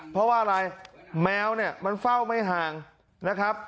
เพราะว่าอะไรแมวเนี่ยมันเฝ้าไม่ห่างนะครับ